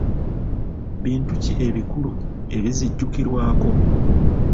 Bintu ki ebikulu ebizijjukirwako?